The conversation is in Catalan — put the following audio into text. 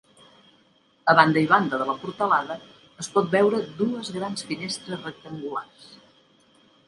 A banda i banda de la portalada es pot veure dues grans finestres rectangulars.